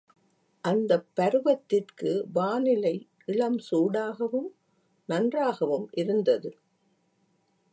அந்தப் பருவத்திற்கு வானிலை இளம்சூடாகவும் நன்றாகவும் இருந்தது.